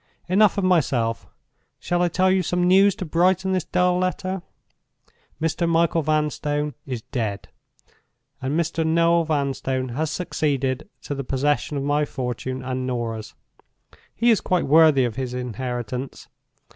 "Enough of myself! Shall I tell you some news to brighten this dull letter? Mr. Michael Vanstone is dead, and Mr. Noel Vanstone has succeeded to the possession of my fortune and Norah's. He is quite worthy of his inheritance.